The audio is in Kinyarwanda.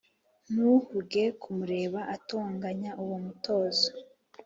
Ntuhuge kumureba Atonganya uwo mutozo